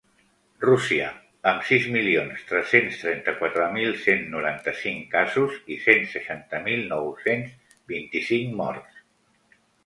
Rússia, amb sis milions tres-cents trenta-quatre mil cent noranta-cinc casos i cent seixanta mil nou-cents vint-i-cinc morts.